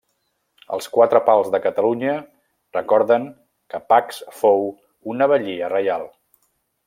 Els quatre pals de Catalunya recorden que Pacs fou una batllia reial.